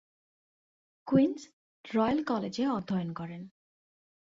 Queen's Royal কলেজে অধ্যয়ন করেন।